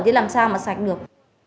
thế làm sao mà sạch được